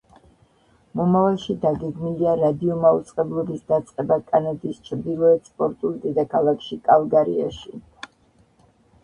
მომავალში დაგეგმილია რადიო მაუწყებლობის დაწყება კანადის ჩრდილოეთ სპორტულ დედაქალაქში კალგარიში.